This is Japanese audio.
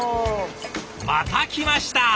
また来ました！